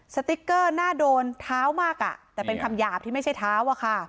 สติ๊กเกอร์น่าโดนเท้ามากอ่ะแต่เป็นคำหยาบที่ไม่ใช่เท้าอะค่ะ